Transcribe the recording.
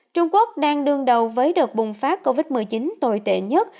trung quốc đang đương đầu với đợt bùng phát covid một mươi chín tồi tệ nhất